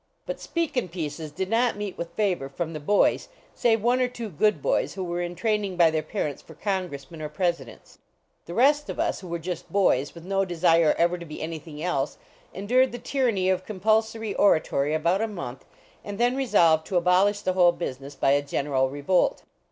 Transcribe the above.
But "speakin pieces" did not meet with favor from the boys, save one or two good boys who were in training by their parents for congressmen or presidents. 258 THE STRIKE AT HINMAVS The rest of us, who were just boys, with no desire ever to be anything else, endured the tyranny of compulsory oratory about a month, and then resolved to abolish the whole business by a general revolt.